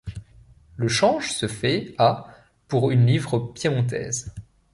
Le change se fait à pour une livre piémontaise.